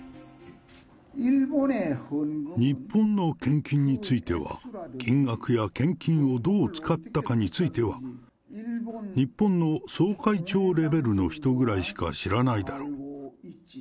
日本の献金については、金額や献金をどう使ったかについては、日本の総会長レベルの人ぐらいしか知らないだろう。